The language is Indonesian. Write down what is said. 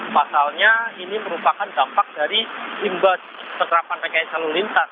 pasalnya ini merupakan dampak dari imbas penerapan mereka yang selalu lintas